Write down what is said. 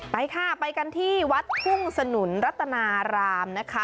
ไปค่ะไปกันที่วัดทุ่งสนุนรัตนารามนะคะ